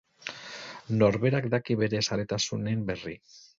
Norberak daki bere zaletasunen berri.